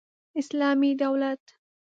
اسلامي دولت